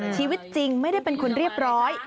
ชีวิตจริงไม่ได้เป็นคนเรียบร้อย